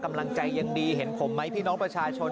กำลังใจยังดีเห็นผมไหมพี่น้องประชาชน